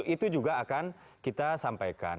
itu juga akan kita sampaikan